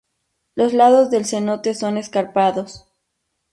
Los lados del cenote son escarpados.